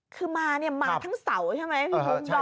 คือมาเนี่ยมาทั้งเสาใช่ไหมพี่พุ่งดอง